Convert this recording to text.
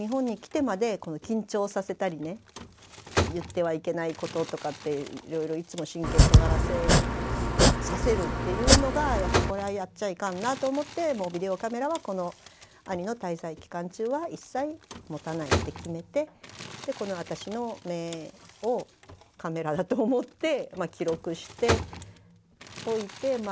言ってはいけないこととかっていろいろいつも神経とがらせさせるっていうのがやっぱこれはやっちゃいかんなと思ってもうビデオカメラは兄の滞在期間中は一切持たないって決めてこの私の目をカメラだと思って記録しておいてま